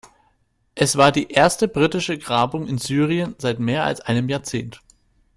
Es war die erste britische Grabung in Syrien seit mehr als einem Jahrzehnt.